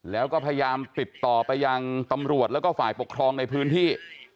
แล้วก็พยายามติดต่อไปยังตำรวจแล้วก็ฝ่ายปกครองในพื้นที่